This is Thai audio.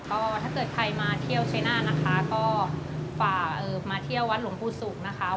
ก็ถ้าเกิดใครมาเที่ยวชัยนาธนะคะก็ฝากมาเที่ยววัดหลวงปู่ศุกร์นะคะ